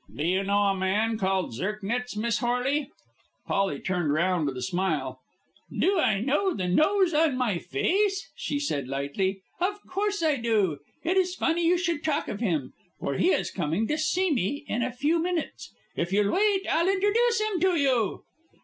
"Do you know a man called Zirknitz, Miss Horley?" Polly turned round with a smile. "Do I know the nose on my face?" she said lightly. "Of course I do. It is funny you should talk of him, for he is coming to see me in a few minutes. If you'll wait, I'll introduce him to you."